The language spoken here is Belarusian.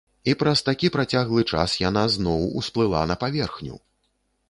І праз такі працяглы час яна зноў усплыла на паверхню!